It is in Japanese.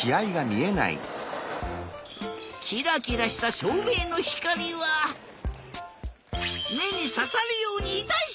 キラキラしたしょうめいのひかりはめにささるようにいたいし。